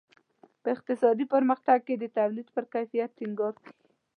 په اقتصادي پرمختګ کې د تولید پر کیفیت ټینګار کیږي.